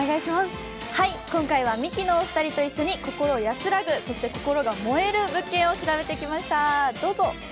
今回はミキのお二人と一緒に心安らぐ、そして心が燃える物件を調べてきました。